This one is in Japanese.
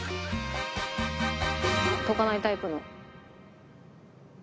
溶かないタイプの。